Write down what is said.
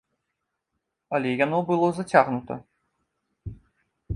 Але яно было зацягнута.